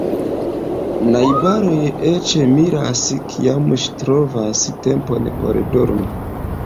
Najbaroj eĉ miras, kiam ŝi trovas tempon por dormi.